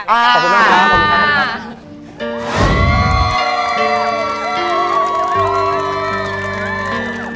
ขอบคุณมาก